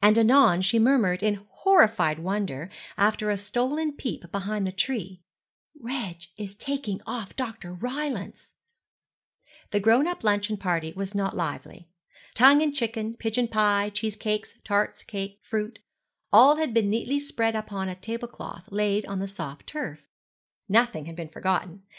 And anon she murmured in horrified wonder, after a stolen peep behind the tree, 'Reg is taking off Dr. Rylance.' The grown up luncheon party was not lively. Tongue and chicken, pigeon pie, cheese cakes, tarts, cake, fruit all had been neatly spread upon a tablecloth laid on the soft turf. Nothing had been forgotten.